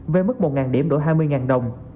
với mức một điểm đổi hai mươi đồng